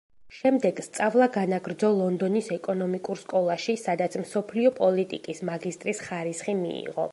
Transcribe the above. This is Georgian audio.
შემდეგ სწავლა განაგრძო ლონდონის ეკონომიკურ სკოლაში, სადაც მსოფლიო პოლიტიკის მაგისტრის ხარისხი მიიღო.